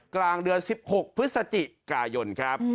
กลางเดือน๑๖พฤศจิกายนครับ